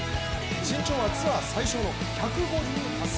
身長はツアー最少の１５８ｃｍ。